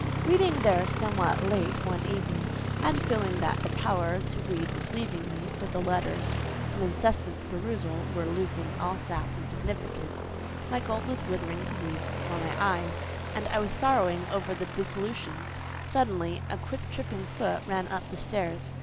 Reading there somewhat late one evening, and feeling that the power to read was leaving me—for the letters from incessant perusal were losing all sap and significance: my gold was withering to leaves before my eyes, and I was sorrowing over the disillusion—suddenly a quick tripping foot ran up the stairs.